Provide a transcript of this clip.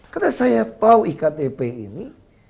karena saya tau iktp ini